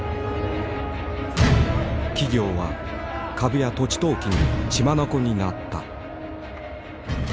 企業は株や土地投機に血眼になった。